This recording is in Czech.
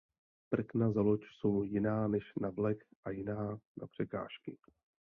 Prkna za loď jsou jiná než na vlek a jiná na překážky.